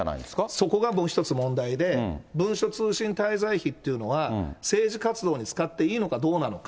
そこが僕、一つの問題で、文書通信滞在費っていうのは、政治活動に使っていいのかどうなのか。